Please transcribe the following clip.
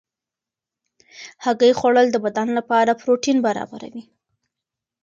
د هګۍ خوړل د بدن لپاره پروټین برابروي.